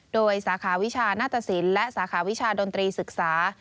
โดยสาขาวิชาหน้าตสินและสาขาวิชาดนตรีศึกษา